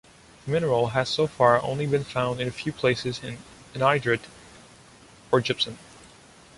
The mineral has so far only been found in a few places in anhydrite or gypsum.